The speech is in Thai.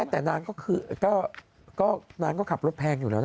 อย่างนั้นก็คือก็น้ำก็ขับรถแพงอยู่แล้วนะ๕